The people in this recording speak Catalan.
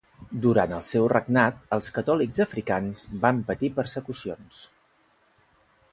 Durant el seu regnat els catòlics africans van patir persecucions.